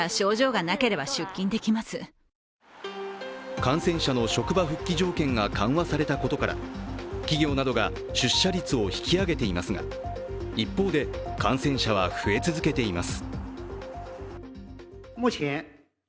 感染者の職場復帰条件が緩和されたことから、企業などが出社率を引き上げていますが一方で感染者は増え続けています。